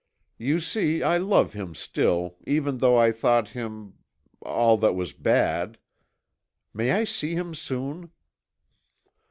"You see I love him still, even though I thought him all that was bad. May I see him soon?"